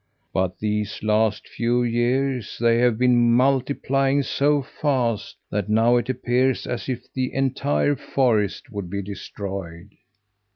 But these last few years they have been multiplying so fast that now it appears as if the entire forest would be destroyed."